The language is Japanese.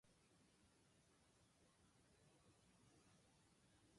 命を運んでくると書いて運命！